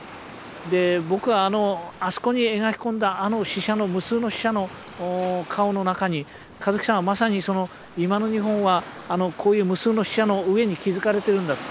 僕はあそこに描き込んだあの無数の死者の顔の中に香月さんはまさに今の日本はこういう無数の死者の上に築かれてるんだと。